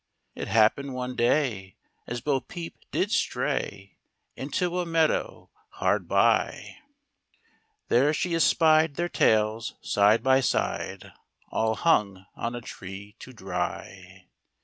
It happened one day, As Bo peep did stray Into a meadow, hard by, LITTLE BO PEEP. There she espied their tails, side by side, All hung on a tree to dry.